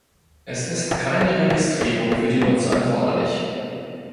Es ist keine Registrierung für die Nutzer erforderlich.